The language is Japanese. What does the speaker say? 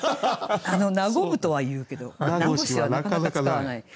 「和む」とは言うけど「和し」はなかなか使わない。